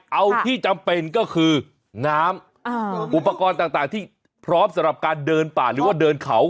เอาที่จำเป็นก็คือน้ำอุปกรณ์ต่างที่พร้อมสำหรับการเดินป่าหรือว่าเดินเขา